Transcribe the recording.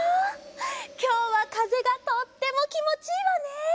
きょうはかぜがとってもきもちいいわね！